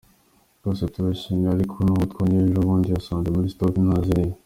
Rwose twaranishyuye, ariko n’uwo twoherejeyo ejobundi yasanze muri stock nta ziriyo.